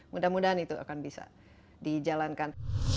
mudah mudahan itu akan bisa dijalankan